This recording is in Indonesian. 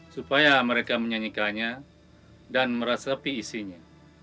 supaya mereka menyanyikannya dan meresapi isinya